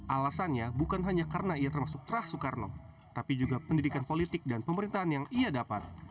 alasannya bukan hanya karena ia termasuk trah soekarno tapi juga pendidikan politik dan pemerintahan yang ia dapat